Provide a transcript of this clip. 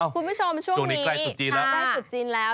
คุณผู้ชมรายสุดจีนแล้ว